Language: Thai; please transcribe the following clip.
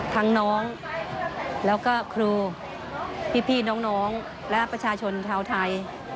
น้องแล้วก็ครูพี่น้องและประชาชนชาวไทย